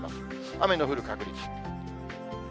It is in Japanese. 雨の降る確率。